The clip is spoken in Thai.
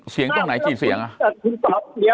เสียงตรงไหนจีบเสียงอ่ะ